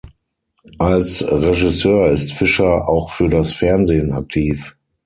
Als Regisseur ist Fisher auch für das Fernsehen aktiv.